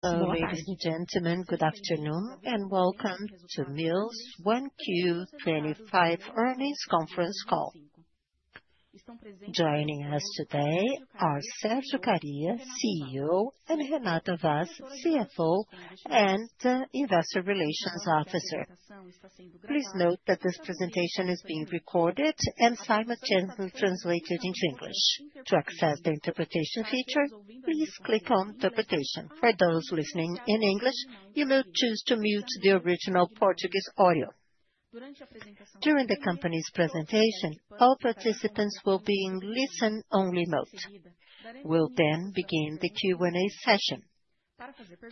Ladies and gentlemen, good afternoon and welcome to Mills 1Q25 earnings conference call. Joining us today are Sergio Kariya, CEO, and Renata Vaz, CFO and Investor Relations Officer. Please note that this presentation is being recorded and simultaneously translated into English. To access the interpretation feature, please click on Interpretation. For those listening in English, you may choose to mute the original Portuguese audio. During the company's presentation, all participants will be in listen-only mode. We will then begin the Q&A session.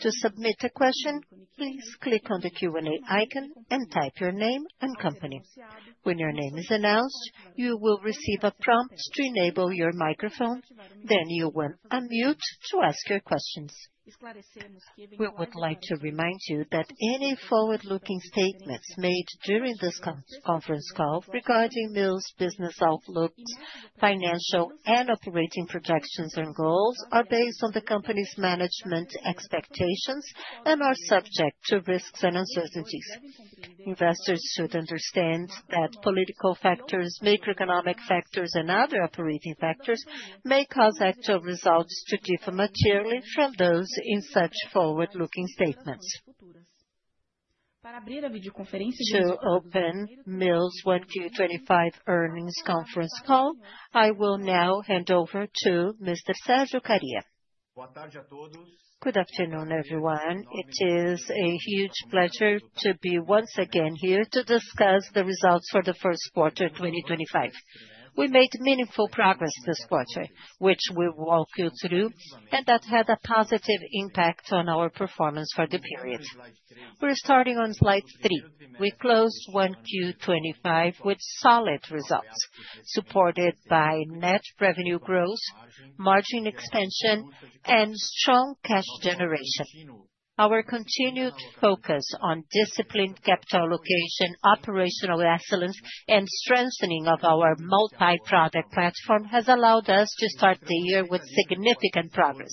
To submit a question, please click on the Q&A icon and type your name and company. When your name is announced, you will receive a prompt to enable your microphone, then you will unmute to ask your questions. We would like to remind you that any forward-looking statements made during this conference call regarding Mills' business outlook, financial and operating projections and goals are based on the company's management expectations and are subject to risks and uncertainties. Investors should understand that political factors, macroeconomic factors, and other operating factors may cause actual results to differ materially from those in such forward-looking statements. Para abrir a videoconferência de hoje. To open Mills 1Q25 earnings conference call, I will now hand over to Mr. Sergio Kariya. Boa tarde a todos. Good afternoon, everyone. It is a huge pleasure to be once again here to discuss the results for the first quarter of 2025. We made meaningful progress this quarter, which we walk you through, and that had a positive impact on our performance for the period. We're starting on slide three. We closed 1Q25 with solid results, supported by net revenue growth, margin expansion, and strong cash generation. Our continued focus on disciplined capital allocation, operational excellence, and strengthening of our multi-product platform has allowed us to start the year with significant progress.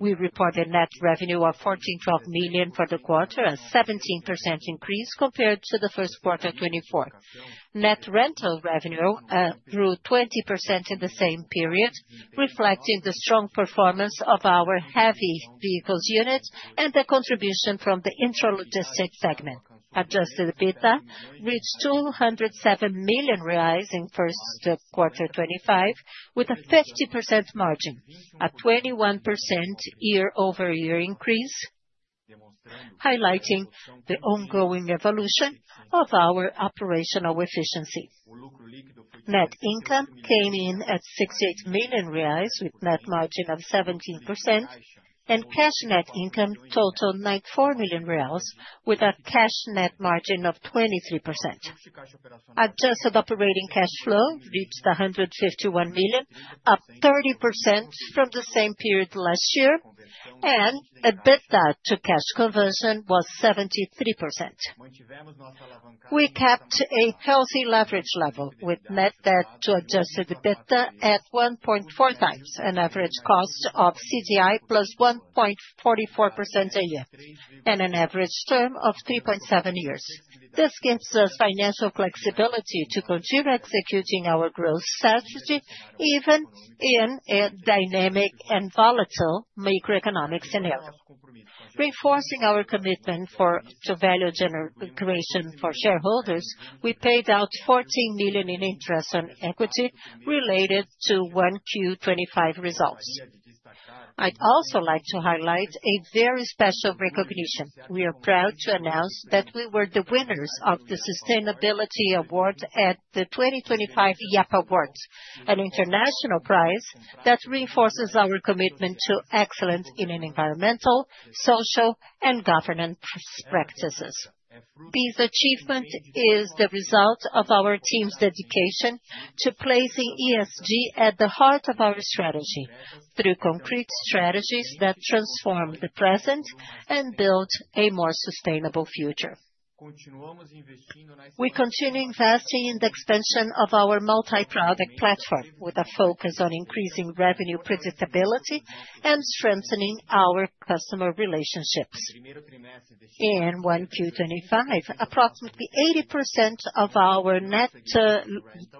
We reported net revenue of 412 million for the quarter, a 17% increase compared to the first quarter of 2024. Net rental revenue grew 20% in the same period, reflecting the strong performance of our heavy vehicles unit and the contribution from the intralogistics segment. Adjusted EBITDA reached 207 million reais in first quarter 2025, with a 50% margin, a 21% year-over-year increase, highlighting the ongoing evolution of our operational efficiency. Net income came in at 68 million reais, with a net margin of 17%, and cash net income totaled 94 million reais, with a cash net margin of 23%. Adjusted operating cash flow reached 151 million, up 30% from the same period last year, and EBITDA to cash conversion was 73%. We kept a healthy leverage level, with net debt to adjusted EBITDA at 1.4 times, an average cost of CDI plus 1.44% a year, and an average term of 3.7 years. This gives us financial flexibility to continue executing our growth strategy even in a dynamic and volatile macroeconomic scenario. Reinforcing our commitment to value generation for shareholders, we paid out 14 million in interest on equity related to first quarter 2025 results. I'd also like to highlight a very special recognition. We are proud to announce that we were the winners of the Sustainability Award at the 2025 YEP Awards, an international prize that reinforces our commitment to excellence in environmental, social, and governance practices. This achievement is the result of our team's dedication to placing ESG at the heart of our strategy through concrete strategies that transform the present and build a more sustainable future. We continue investing in the expansion of our multi-product platform, with a focus on increasing revenue predictability and strengthening our customer relationships. In 1Q25, approximately 80% of our net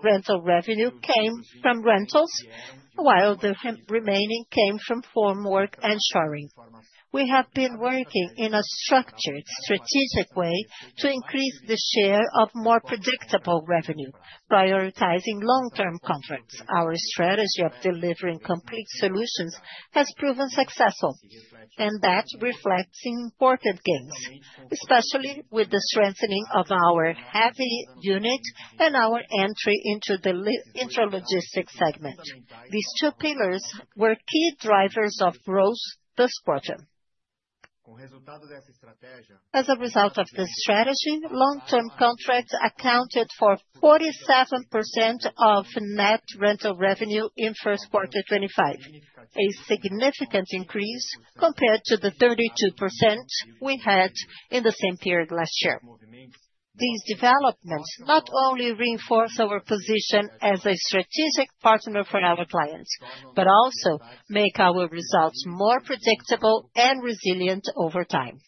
rental revenue came from rentals, while the remaining came from formwork and shoring. We have been working in a structured, strategic way to increase the share of more predictable revenue, prioritizing long-term contracts. Our strategy of delivering complete solutions has proven successful, and that reflects important gains, especially with the strengthening of our heavy unit and our entry into the intralogistics segment. These two pillars were key drivers of growth this quarter. As a result of this strategy, long-term contracts accounted for 47% of net rental revenue in first quarter 2025, a significant increase compared to the 32% we had in the same period last year. These developments not only reinforce our position as a strategic partner for our clients, but also make our results more predictable and resilient over time.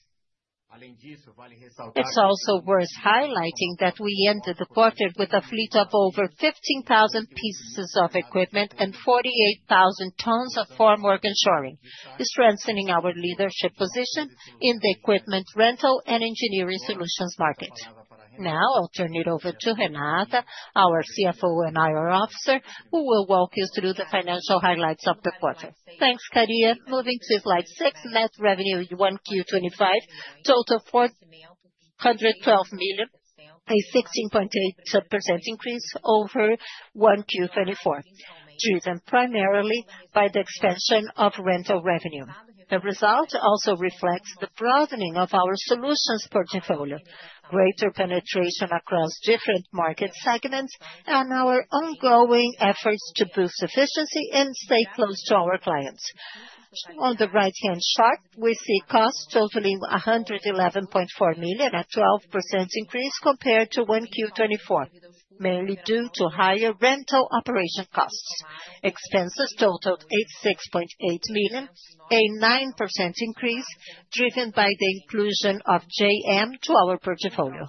It's also worth highlighting that we ended the quarter with a fleet of over 15,000 pieces of equipment and 48,000 tons of formwork and shoring, strengthening our leadership position in the equipment rental and engineering solutions market. Now I'll turn it over to Renata, our CFO and IR Officer, who will walk you through the financial highlights of the quarter. Thanks, Kariya. Moving to slide six, net revenue in 1Q 2025 totaled BRL 412 million, a 16.8% increase over 1Q 2024, driven primarily by the expansion of rental revenue. The result also reflects the broadening of our solutions portfolio, greater penetration across different market segments, and our ongoing efforts to boost efficiency and stay close to our clients. On the right-hand chart, we see costs totaling 111.4 million, a 12% increase compared to 1Q 2024, mainly due to higher rental operation costs. Expenses totaled 86.8 million, a 9% increase driven by the inclusion of JM to our portfolio.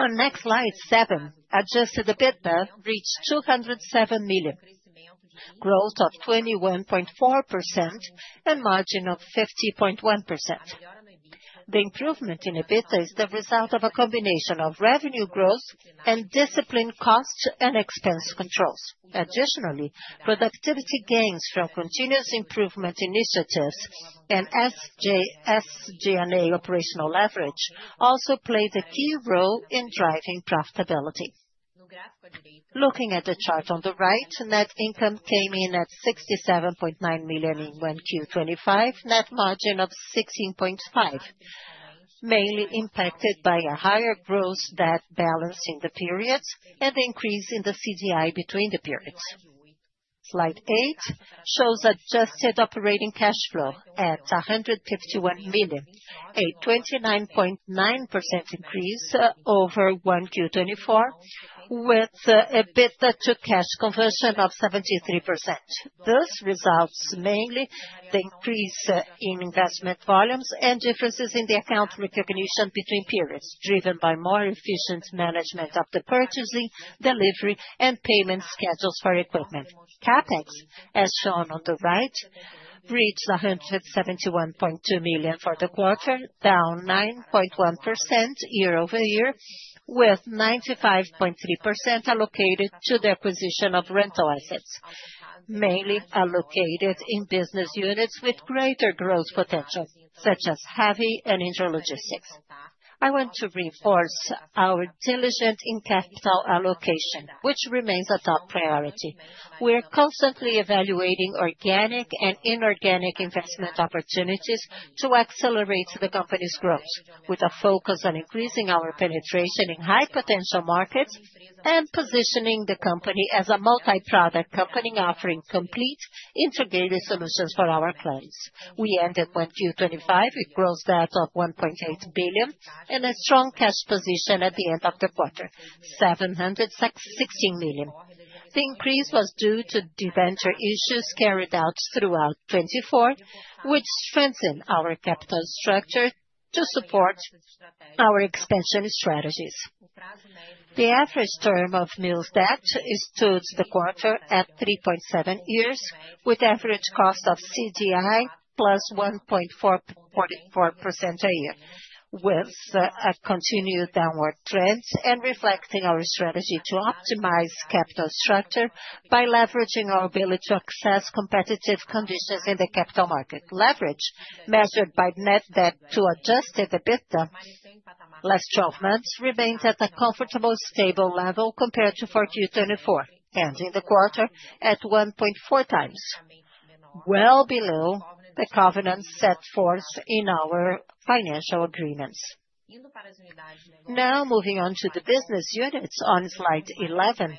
On next slide seven, adjusted EBITDA reached 207 million, growth of 21.4%, and margin of 50.1%. The improvement in EBITDA is the result of a combination of revenue growth and disciplined cost and expense controls. Additionally, productivity gains from continuous improvement initiatives and SG&A operational leverage also played a key role in driving profitability. Looking at the chart on the right, net income came in at 67.9 million in 1Q25, net margin of 16.5%, mainly impacted by a higher growth debt balance in the period and the increase in the CDI between the periods. Slide eight shows adjusted operating cash flow at 151 million, a 29.9% increase over 1Q24, with EBITDA to cash conversion of 73%. Those results mainly increased in investment volumes and differences in the account recognition between periods, driven by more efficient management of the purchasing, delivery, and payment schedules for equipment. CapEx, as shown on the right, reached 171.2 million for the quarter, down 9.1% year-over-year, with 95.3% allocated to the acquisition of rental assets, mainly allocated in business units with greater growth potential, such as heavy and intralogistics. I want to reinforce our diligent capital allocation, which remains a top priority. We are constantly evaluating organic and inorganic investment opportunities to accelerate the company's growth, with a focus on increasing our penetration in high-potential markets and positioning the company as a multi-product company offering complete integrated solutions for our clients. We ended 1Q2025 with gross debt of 1.8 billion and a strong cash position at the end of the quarter, 716 million. The increase was due to debenture issues carried out throughout 2024, which strengthened our capital structure to support our expansion strategies. The average term of Mills' debt is, as of the quarter, 3.7 years, with average cost of CDI plus 1.44% a year, with a continued downward trend and reflecting our strategy to optimize capital structure by leveraging our ability to access competitive conditions in the capital market. Leverage, measured by net debt to adjusted EBITDA last 12 months, remains at a comfortable, stable level compared to 4Q 2024, ending the quarter at 1.4 times, well below the covenants set forth in our financial agreements. Now moving on to the business units, on slide 11,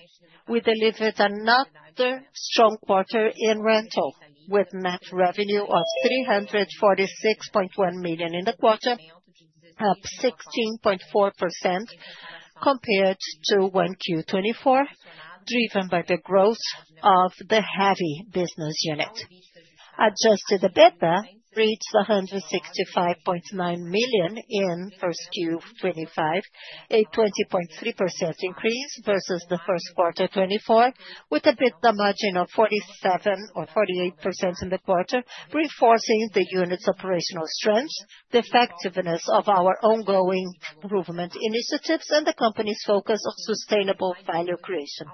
we delivered another strong quarter in rental, with net revenue of 346.1 million in the quarter, up 16.4% compared to 1Q 2024, driven by the growth of the heavy business unit. Adjusted EBITDA reached BRL 165.9 million in first Q 2025, a 20.3% increase versus the first quarter 2024, with a margin of 47% or 48% in the quarter, reinforcing the unit's operational strength, the effectiveness of our ongoing improvement initiatives, and the company's focus on sustainable value creation.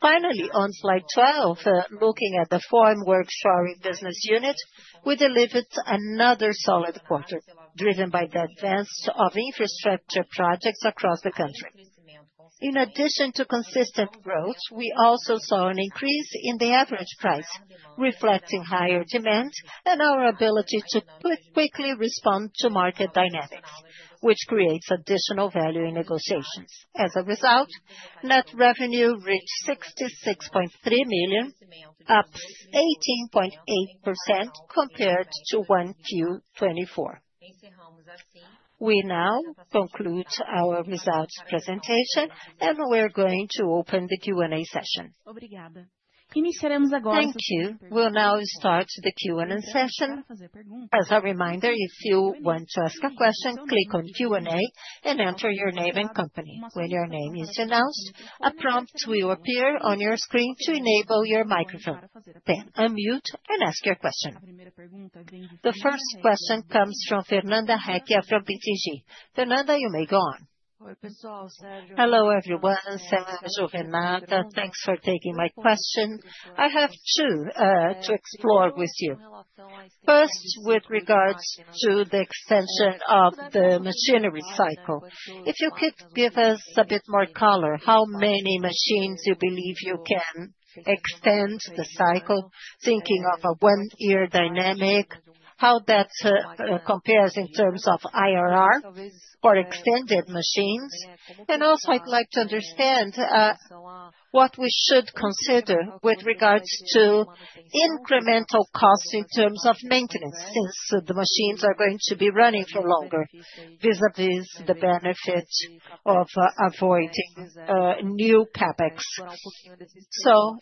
Finally, on slide 12, looking at the formwork shoring business unit, we delivered another solid quarter, driven by the advance of infrastructure projects across the country. In addition to consistent growth, we also saw an increase in the average price, reflecting higher demand and our ability to quickly respond to market dynamics, which creates additional value in negotiations. As a result, net revenue reached 66.3 million, up 18.8% compared to 1Q 2024. We now conclude our results presentation, and we're going to open the Q&A session. Obrigada. Iniciaremos agora. Thank you. We'll now start the Q&A session. As a reminder, if you want to ask a question, click on Q&A and enter your name and company. When your name is announced, a prompt will appear on your screen to enable your microphone. Unmute and ask your question. The first question comes from Fernanda Recchia from BTG. Fernanda, you may go on. Hello, everyone. Sergio, Renata, thanks for taking my question. I have two to explore with you. First, with regards to the extension of the machinery cycle. If you could give us a bit more color, how many machines you believe you can extend the cycle, thinking of a one-year dynamic, how that compares in terms of IRR for extended machines. I would also like to understand what we should consider with regards to incremental costs in terms of maintenance, since the machines are going to be running for longer, vis-à-vis the benefit of avoiding new CapEx.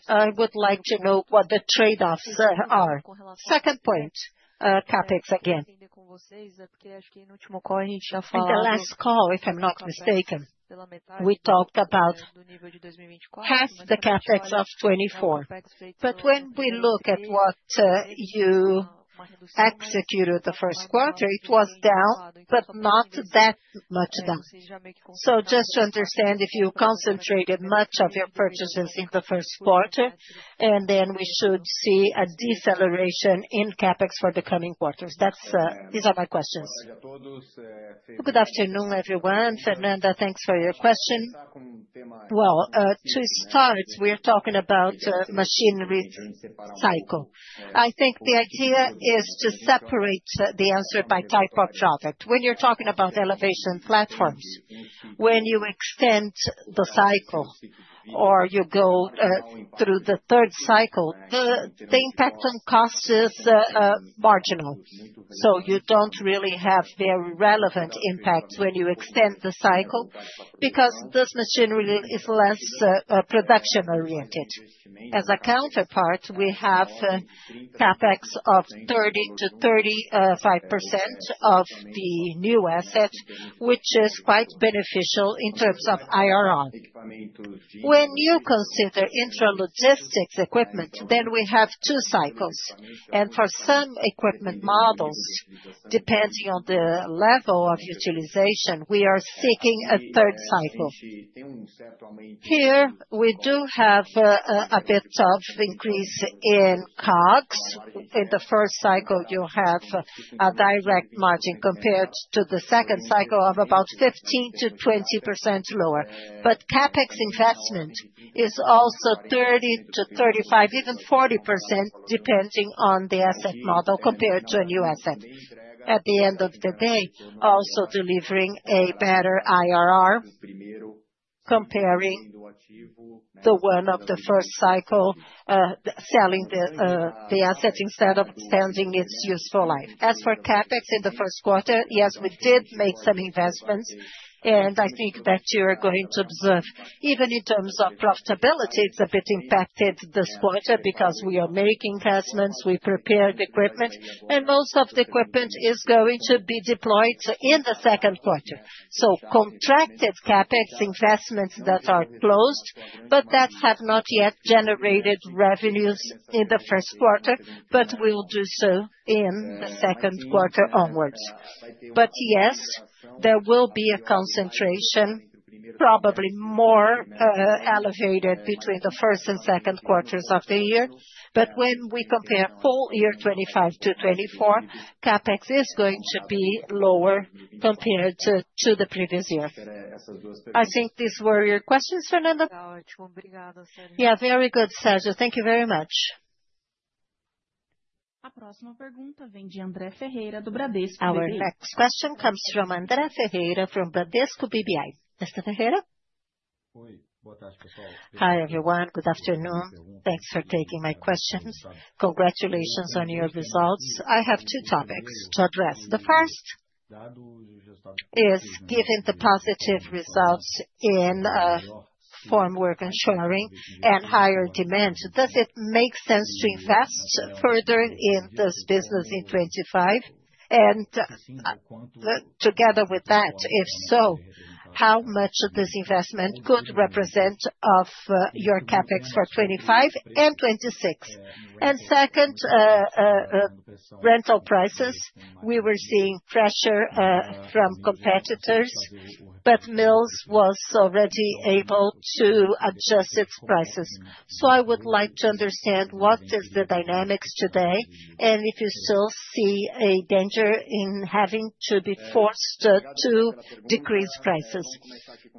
I would like to know what the trade-offs are. Second point, CapEx again. In the last call, if I am not mistaken, we talked about past the CapEx of 2024. When we look at what you executed the first quarter, it was down, but not that much down. Just to understand, if you concentrated much of your purchases in the first quarter, and then we should see a deceleration in CapEx for the coming quarters. These are my questions. Good afternoon, everyone. Fernanda, thanks for your question. To start, we are talking about the machinery cycle. I think the idea is to separate the answer by type of product. When you're talking about elevation platforms, when you extend the cycle or you go through the third cycle, the impact on cost is marginal. You do not really have very relevant impact when you extend the cycle because this machinery is less production-oriented. As a counterpart, we have CapEx of 30-35% of the new asset, which is quite beneficial in terms of IRR. When you consider intralogistics equipment, then we have two cycles. For some equipment models, depending on the level of utilization, we are seeking a third cycle. Here, we do have a bit of increase in COGS. In the first cycle, you have a direct margin compared to the second cycle of about 15%-20% lower. CapEx investment is also 30%-35%, even 40%, depending on the asset model compared to a new asset. At the end of the day, also delivering a better IRR comparing the one of the first cycle, selling the asset instead of extending its useful life. As for CapEx in the first quarter, yes, we did make some investments, and I think that you're going to observe. Even in terms of profitability, it's a bit impacted this quarter because we are making investments, we prepared equipment, and most of the equipment is going to be deployed in the second quarter. So contracted CapEx investments that are closed, but that have not yet generated revenues in the first quarter, but we will do so in the second quarter onwards. Yes, there will be a concentration, probably more elevated between the first and second quarters of the year. When we compare full year 2025 to 2024, CapEx is going to be lower compared to the previous year. I think these were your questions, Fernanda? Obrigada. Yeah, very good, Sergio. Thank you very much. A próxima pergunta vem de André Ferreira, do Bradesco BBI. Our next question comes from André Ferreira, from Bradesco BBI. André Ferreira? Oi, boa tarde, pessoal. Hi everyone, good afternoon. Thanks for taking my questions. Congratulations on your results. I have two topics to address. The first is given the positive results in formwork and shoring and higher demand, does it make sense to invest further in this business in 2025? Together with that, if so, how much of this investment could represent your CapEx for 2025 and 2026? Second, rental prices. We were seeing pressure from competitors, but Mills was already able to adjust its prices. I would like to understand what is the dynamics today and if you still see a danger in having to be forced to decrease prices.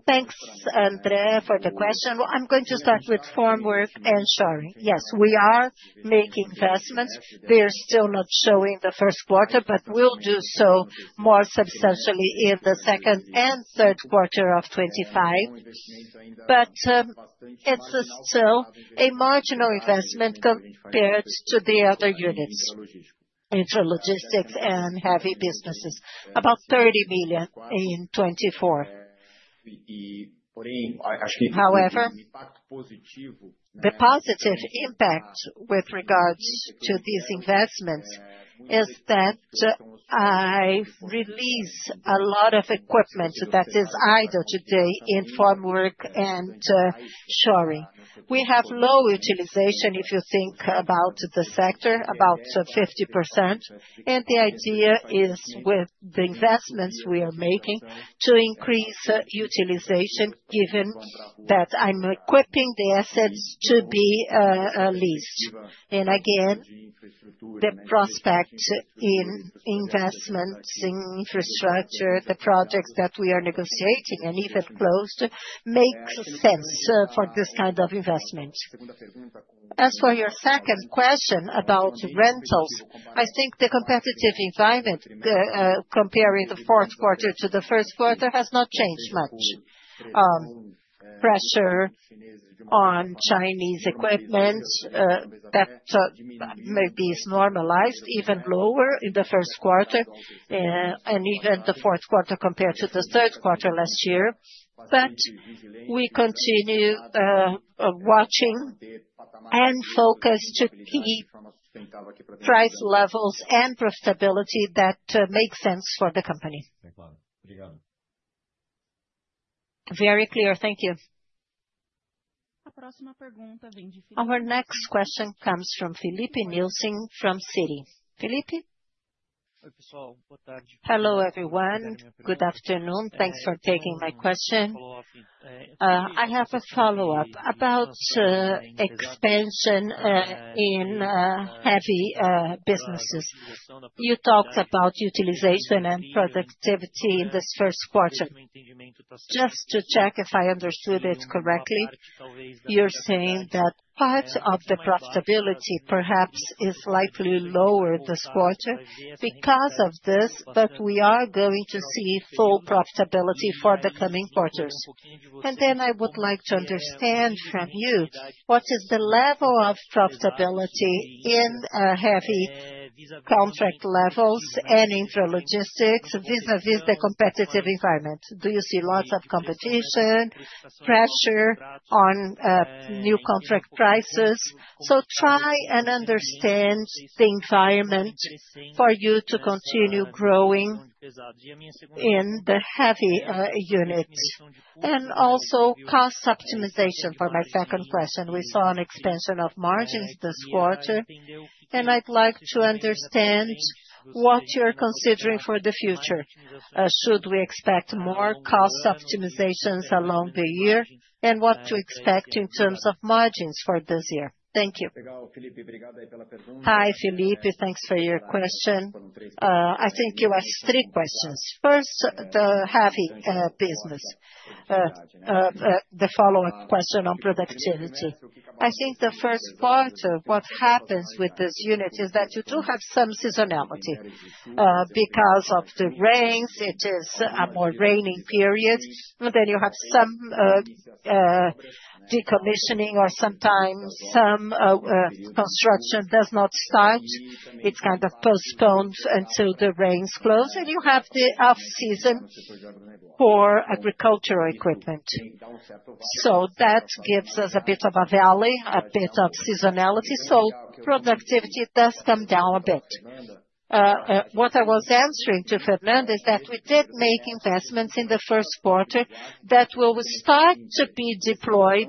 Thanks, André, for the question. I'm going to start with formwork and shoring. Yes, we are making investments. They are still not showing the first quarter, but we'll do so more substantially in the second and third quarter of 2025. It is still a marginal investment compared to the other units, intralogistics and heavy businesses, about 30 million in 2024. However, the positive impact with regards to these investments is that I release a lot of equipment that is idle today in formwork and shoring. We have low utilization if you think about the sector, about 50%. The idea is with the investments we are making to increase utilization given that I am equipping the assets to be leased. Again, the prospect in investments in infrastructure, the projects that we are negotiating and even closed makes sense for this kind of investment. As for your second question about rentals, I think the competitive environment comparing the fourth quarter to the first quarter has not changed much. Pressure on Chinese equipment that maybe is normalized, even lower in the first quarter and even the fourth quarter compared to the third quarter last year. We continue watching and focus to keep price levels and profitability that make sense for the company. Very clear. Thank you. A próxima pergunta vem de Filipe. Our next question comes from Filipe Nielsen from Citi. Filipe? Oi, pessoal. Boa tarde. Hello, everyone. Good afternoon. Thanks for taking my question. I have a follow-up about expansion in heavy businesses. You talked about utilization and productivity in this first quarter. Just to check if I understood it correctly, you're saying that part of the profitability perhaps is likely lower this quarter because of this, but we are going to see full profitability for the coming quarters. I would like to understand from you what is the level of profitability in heavy contract levels and intralogistics vis-à-vis the competitive environment. Do you see lots of competition, pressure on new contract prices? I am trying to understand the environment for you to continue growing in the heavy unit. Also, cost optimization for my second question. We saw an expansion of margins this quarter, and I'd like to understand what you're considering for the future. Should we expect more cost optimizations along the year and what to expect in terms of margins for this year? Thank you. Hi, Filipe. Thanks for your question. I think you asked three questions. First, the heavy business. The follow-up question on productivity. I think the first part of what happens with this unit is that you do have some seasonality. Because of the rains, it is a more rainy period, and then you have some decommissioning or sometimes some construction does not start. It is kind of postponed until the rains close, and you have the off-season for agricultural equipment. That gives us a bit of a valley, a bit of seasonality. Productivity does come down a bit. What I was answering to Fernanda is that we did make investments in the first quarter that will start to be deployed.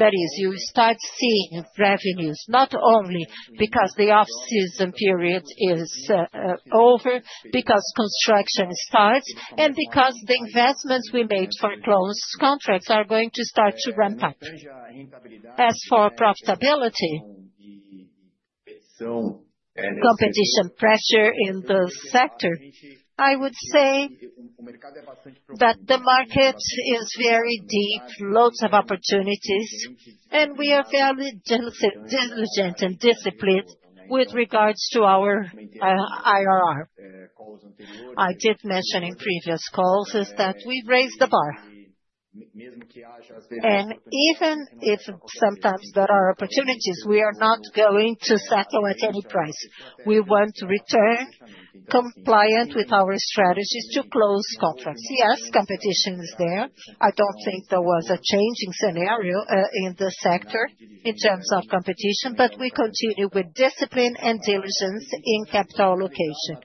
That is, you start seeing revenues not only because the off-season period is over, because construction starts, and because the investments we made for closed contracts are going to start to ramp up. As for profitability, competition pressure in the sector, I would say that the market is very deep, lots of opportunities, and we are fairly diligent and disciplined with regards to our IRR. I did mention in previous calls is that we've raised the bar. Even if sometimes there are opportunities, we are not going to settle at any price. We want to return compliant with our strategies to close contracts. Yes, competition is there. I do not think there was a changing scenario in the sector in terms of competition, but we continue with discipline and diligence in capital allocation.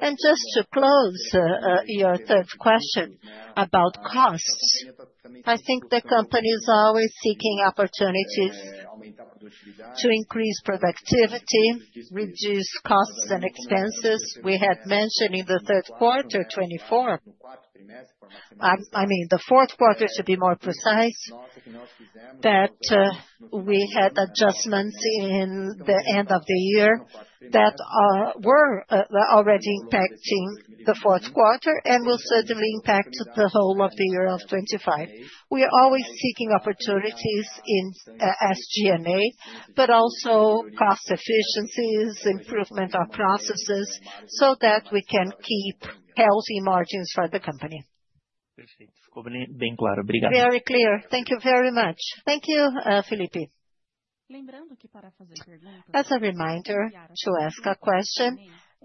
Just to close your third question about costs, I think the company is always seeking opportunities to increase productivity, reduce costs and expenses. We had mentioned in the third quarter 2024, I mean, the fourth quarter, to be more precise, that we had adjustments in the end of the year that were already impacting the fourth quarter and will certainly impact the whole of the year of 2025. We are always seeking opportunities in SG&A, but also cost efficiencies, improvement of processes so that we can keep healthy margins for the company. Perfeito. Ficou bem claro. Obrigado. Very clear. Thank you very much. Thank you, Filipe. Lembrando que para fazer perguntas, as a reminder to ask a question,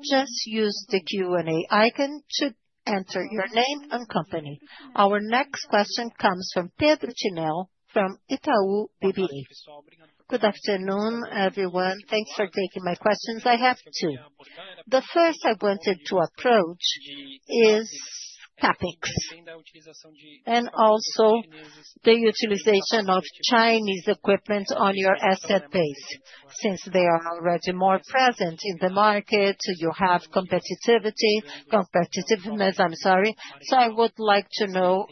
just use the Q&A icon to enter your name and company. Our next question comes from Pedro Tineu from Itaú BBA. Good afternoon, everyone. Thanks for taking my questions. I have two. The first I wanted to approach is CapEx and also the utilization of Chinese equipment on your asset base. Since they are already more present in the market, you have competitiveness. I'm sorry. So I would like to know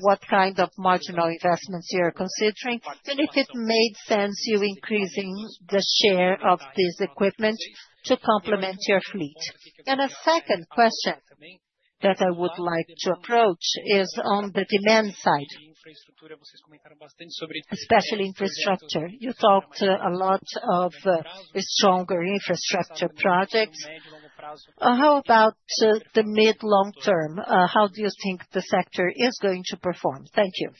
what kind of marginal investments you are considering and if it made sense you increasing the share of this equipment to complement your fleet. And a second question that I would like to approach is on the demand side, especially infrastructure. You talked a lot of stronger infrastructure projects. How about the mid-long term? How do you think the sector is going to perform? Thank you.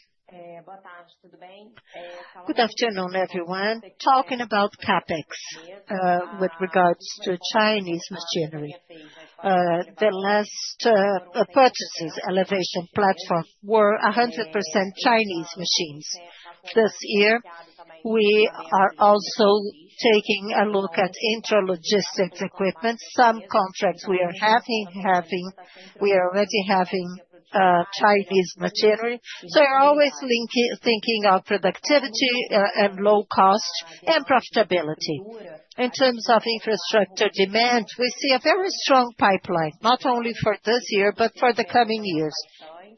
Good afternoon, everyone. Talking about CapEx with regards to Chinese machinery, the last purchases, elevation platform were 100% Chinese machines. This year, we are also taking a look at intralogistics equipment. Some contracts we are having, we are already having Chinese machinery. We are always thinking of productivity and low cost and profitability. In terms of infrastructure demand, we see a very strong pipeline, not only for this year, but for the coming years.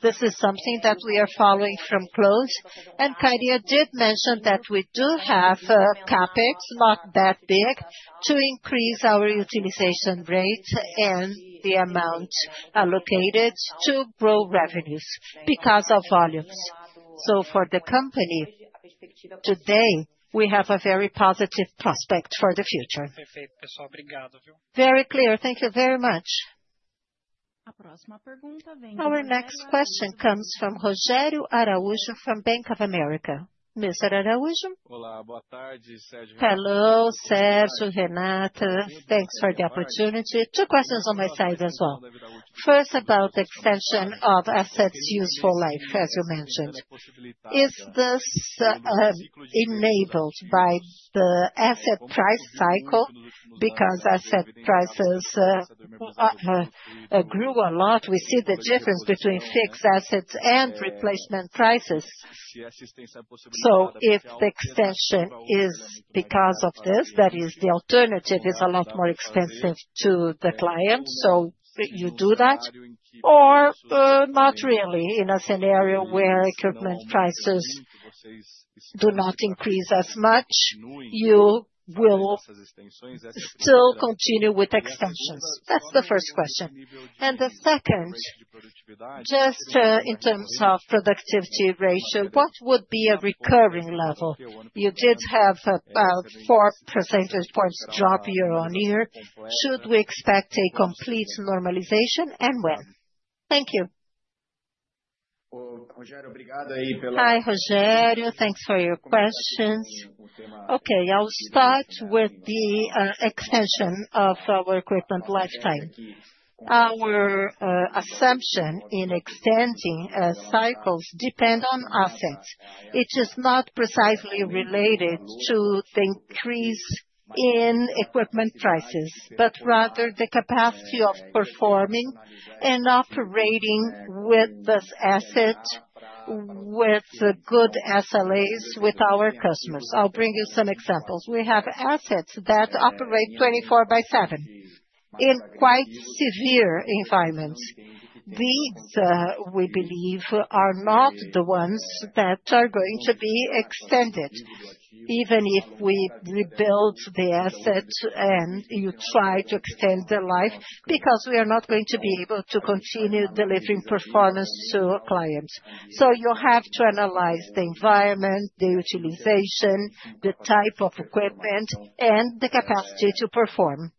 This is something that we are following from close. Kariya did mention that we do have CapEx, not that big, to increase our utilization rate and the amount allocated to grow revenues because of volumes. For the company today, we have a very positive prospect for the future. Perfeito, pessoal. Obrigado. Very clear. Thank you very much. A próxima pergunta vem de. Our next question comes from Rogério Araújo, from Bank of America. Mr. Araújo? Olá, boa tarde, Sergio. Hello, Sérgio, Renata. Thanks for the opportunity. Two questions on my side as well. First, about the extension of assets' useful life, as you mentioned. Is this enabled by the asset price cycle? Because asset prices grew a lot, we see the difference between fixed assets and replacement prices. If the extension is because of this, that is, the alternative is a lot more expensive to the client, you do that? Or not really, in a scenario where equipment prices do not increase as much, you will still continue with extensions? That is the first question. The second, just in terms of productivity ratio, what would be a recurring level? You did have about four percentage points drop year on year. Should we expect a complete normalization and when? Thank you. Rogério, aí pela. Hi, Rogério. Thanks for your questions. Okay, I'll start with the extension of our equipment lifetime. Our assumption in extending cycles depends on assets. It is not precisely related to the increase in equipment prices, but rather the capacity of performing and operating with this asset with good SLAs with our customers. I'll bring you some examples. We have assets that operate 24 by seven in quite severe environments. These, we believe, are not the ones that are going to be extended, even if we rebuild the asset and you try to extend the life, because we are not going to be able to continue delivering performance to our clients. You have to analyze the environment, the utilization, the type of equipment, and the capacity to perform.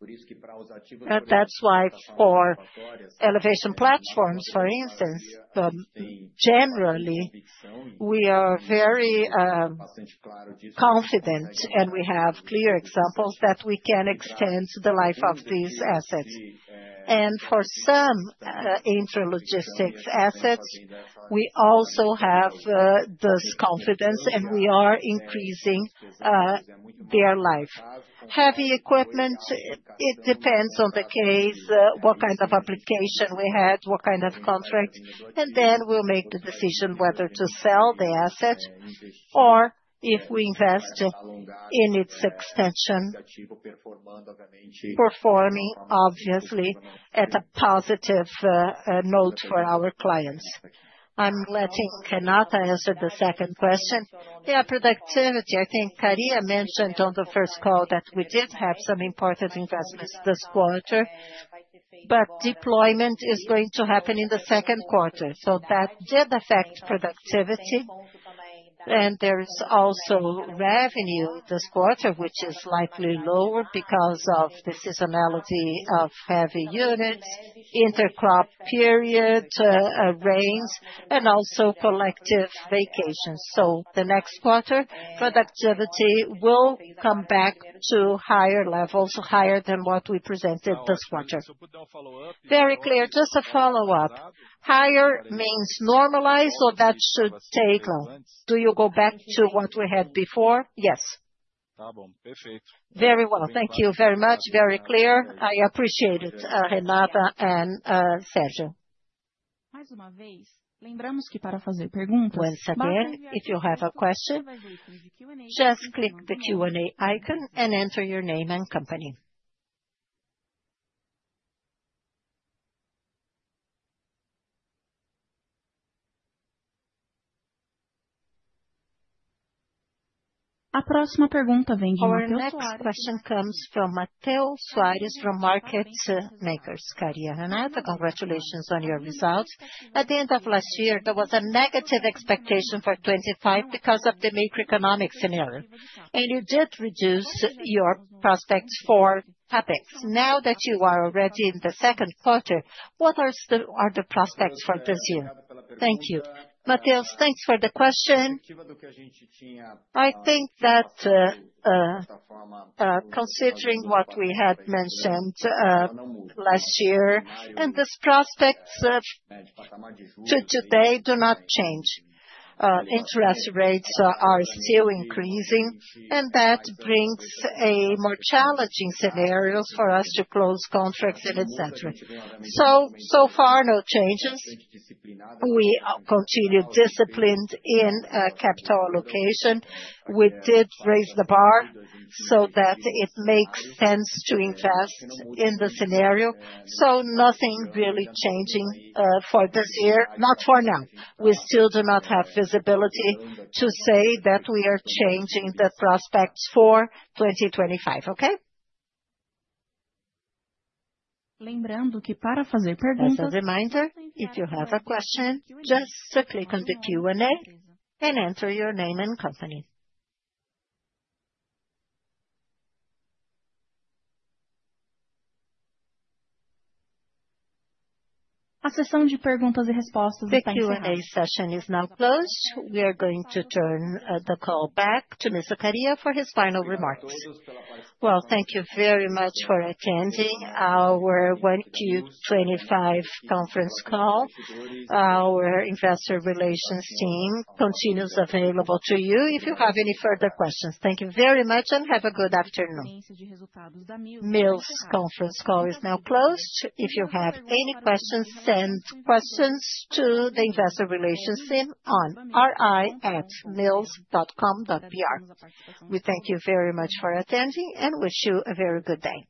That's why for elevation platforms, for instance, generally, we are very confident and we have clear examples that we can extend the life of these assets. For some intralogistics assets, we also have this confidence and we are increasing their life. Heavy equipment, it depends on the case, what kind of application we had, what kind of contract, and then we will make the decision whether to sell the asset or if we invest in its extension, performing, obviously, at a positive note for our clients. I'm letting Renata answer the second question. Yeah, productivity, I think Kariya mentioned on the first call that we did have some important investments this quarter, but deployment is going to happen in the second quarter. That did affect productivity, and there is also revenue this quarter, which is likely lower because of the seasonality of heavy units, intercrop period, rains, and also collective vacations. The next quarter, productivity will come back to higher levels, higher than what we presented this quarter. Very clear. Just a follow-up. Higher means normalized or that should take long? Do you go back to what we had before? Yes. Tá bom. Very well. Thank you very much. Very clear. I appreciate it, Renata and Sergio. Mais uma vez, lembramos que para fazer perguntas, when you have a question, just click the Q&A icon and enter your name and company. A próxima pergunta vem de. Our next question comes from Matheus Soares from Market Makers. Kariya, Renata, congratulations on your results. At the end of last year, there was a negative expectation for 2025 because of the macroeconomic scenario, and you did reduce your prospects for CapEx. Now that you are already in the second quarter, what are the prospects for this year? Thank you. Matheus, thanks for the question. I think that considering what we had mentioned last year and these prospects to today do not change. Interest rates are still increasing, and that brings more challenging scenarios for us to close contracts, etc. So far, no changes. We continue disciplined in capital allocation. We did raise the bar so that it makes sense to invest in the scenario. Nothing really changing for this year, not for now. We still do not have visibility to say that we are changing the prospects for 2025, okay? Lembrando que para fazer perguntas, As a reminder, if you have a question, just click on the Q&A and enter your name and company. A sessão de perguntas e respostas, Thank you. The Q&A session is now closed. We are going to turn the call back to Mr. Kariya for his final remarks. Thank you very much for attending our 2025 conference call. Our investor relations team continues available to you if you have any further questions. Thank you very much and have a good afternoon. Mills' conference call is now closed. If you have any questions, send questions to the investor relations team on ri@mills.com.br. We thank you very much for attending and wish you a very good day.